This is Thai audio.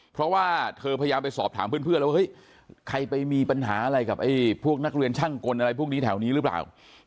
เพราะว่าเธอพยายามไปสอบถามเพื่อนแล้วเฮ้ยใครไปมีปัญหาอะไรกับพวกนักเรียนช่างกลอะไรพวกนี้แถวนี้หรือเปล่า